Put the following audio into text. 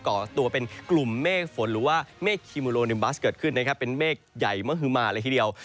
ก่อตัวเป็นกลุ่มเมฆฝนหรือว่าเมฆคีโมโลนิมบัสเกิดขึ้นนะครับเป็นเมฆใหญ่มหือมาเลยทีเดียว